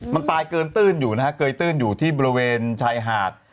มันตายเกินตื้นอยู่นะฮะเกยตื้นอยู่ที่บริเวณชายหาด